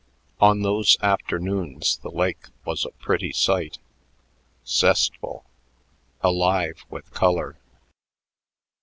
On those afternoons the lake was a pretty sight, zestful, alive with color.